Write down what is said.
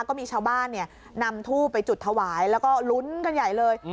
ก็มีชาวบ้านนำทูบไปจุดถวายแล้วก็ลุ้นกันใหญ่เลย